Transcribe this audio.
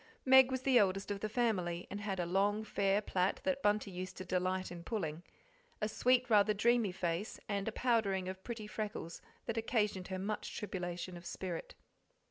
Meg was the eldest of the family, and had a long, fair plait that Bunty used to delight in pulling; a sweet, rather dreamy face, and a powdering of pretty freckles that occasioned her much tribulation of spirit.